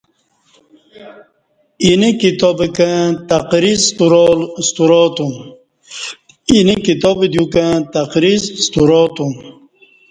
اینه کتاب دیو کں تقریض ستراتُم